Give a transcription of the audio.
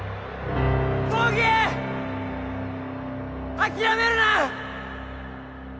諦めるな！